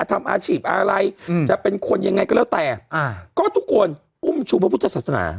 ทำอาชีพอะไรจะเป็นคนยังไงก็แล้วแต่ก็ทุกคนอุ้มชูพระพุทธศาสนา